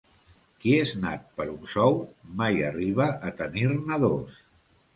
Qui és nat per un sou, mai arriba a tenir-ne dos.